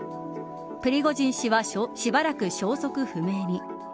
プリゴジン氏はしばらく消息不明に。